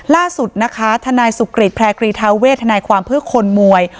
ล่าสุดนะคะทนายสุกริตแพร่ครีทาเวทนายความเพื่อคนมวย